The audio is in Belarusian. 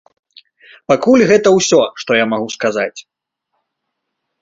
Пакуль гэта ўсё, што я магу сказаць.